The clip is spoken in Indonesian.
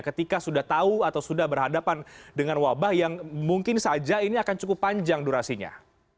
ketika sudah tahu atau sudah berhadapan dengan wabah yang mungkin saja ini akan cukup panjang durasinya